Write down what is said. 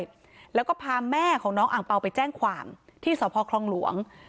แล้วก็พาแม่ของน้องอังเปล่าไปแจ้งความที่สพคลองหลวง